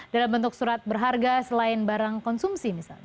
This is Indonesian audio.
dalam bentuk surat berharga selain barang konsumsi misalnya